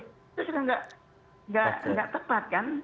itu sudah tidak tepat kan